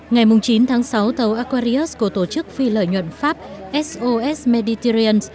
ngày chín tháng sáu tàu aquarius của tổ chức phi lợi nhuận pháp sos medityan